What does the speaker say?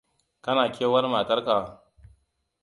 Kana kewar matar ka?